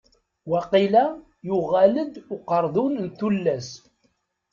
Waqila yuɣal-d uqerdun n tullas?